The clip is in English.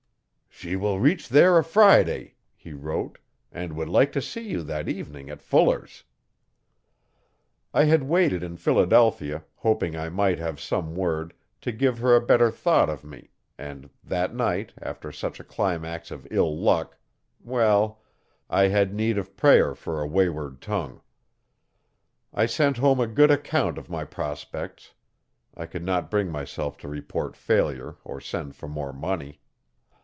'She will reach there a Friday,' he wrote, 'and would like to see you that evening at Fuller's'. I had waited in Philadelphia, hoping I might have some word, to give her a better thought of me, and, that night, after such a climax of ill luck, well I had need of prayer for a wayward tongue. I sent home a good account of my prospects. I could not bring myself to report failure or send for more money.